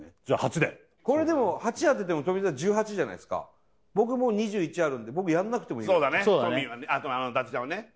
じゃあ８でこれでも８当てても富澤１８じゃないすか僕もう２１あるんで僕やんなくてもいいそうだね